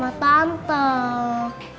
kasian tante udah capek